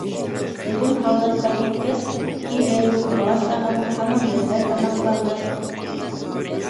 Үҙең һалдатҡа киткәс, килен, бала-сағаң һаман беҙҙә тамаҡланды.